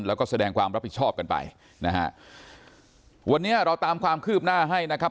แล้วก็แสดงความรับผิดชอบกันไปนะฮะวันนี้เราตามความคืบหน้าให้นะครับ